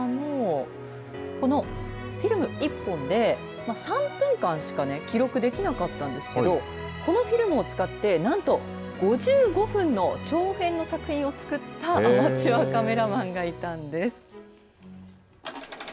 このフィルム１本で３分間しか記録できなかったんですけどこのフィルムを使って何と５５分の長編の作品を作ったアマチュアカメラマンがいたんです。